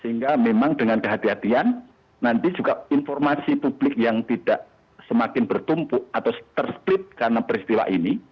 sehingga memang dengan kehatian kehatian nanti juga informasi publik yang tidak semakin bertumpuk atau ter split karena peristiwa ini